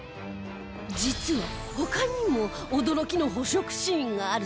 実は他にも驚きの捕食シーンがあるそうですよ